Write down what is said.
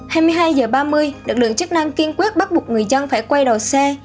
hai mươi hai h ba mươi lực lượng chức năng kiên quyết bắt buộc người dân phải quay đầu xe